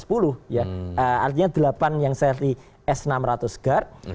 artinya delapan yang seri s enam ratus guard